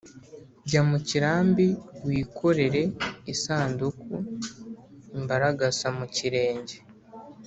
jya mu kirambi wikorere isanduku-imbaragasa mu kirenge.